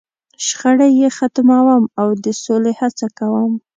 .شخړې یې ختموم، او د سولې هڅه کوم.